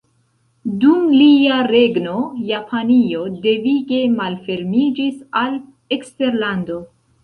Dum lia regno Japanio devige malfermiĝis al eksterlando.